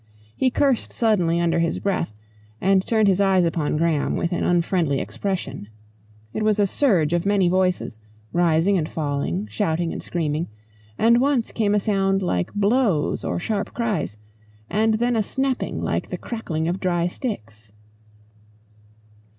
He cursed suddenly under his breath, and turned his eyes upon Graham with an unfriendly expression. It was a surge of many voices, rising and falling, shouting and screaming, and once came a sound like blows and sharp cries, and then a snapping like the crackling of dry sticks.